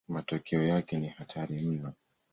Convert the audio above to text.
Matokeo yake ni hatari mno.